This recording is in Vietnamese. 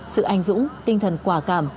sự ảnh dũng tinh thần quả cảm